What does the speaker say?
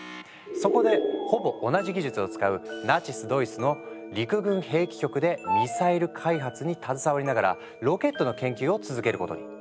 そこでほぼ同じ技術を使うナチスドイツの陸軍兵器局でミサイル開発に携わりながらロケットの研究を続けることに。